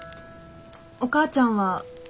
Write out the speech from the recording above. お母ちゃんは賛成？